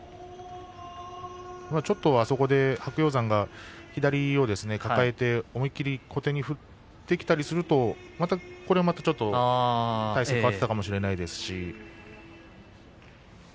ちょっとそこで白鷹山が左を抱えて思い切り小手に振ってきたりするとこれまたちょっと、体勢が変わってきたかもしれませんし。